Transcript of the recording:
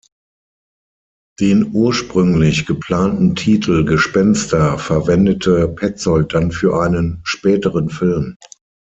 Den ursprünglich geplanten Titel „Gespenster“ verwendete Petzold dann für einen späteren Film.